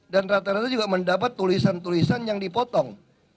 dan rata rata juga mendapat tulisan tulisan yang dipotong